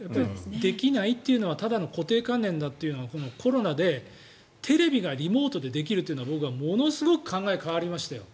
できないというのはただの固定観念だということはこのコロナでテレビがリモートでできるっていうのは僕、ものすごく考えが変わりましたよ。